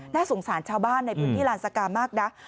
น่าสงสารชาวบ้านในพื้นที่ลานสกามากนะ